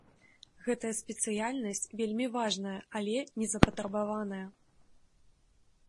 Гэтая спецыяльнасць вельмі важная, але незапатрабаваная.